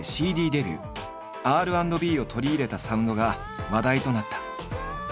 Ｒ＆Ｂを取り入れたサウンドが話題となった。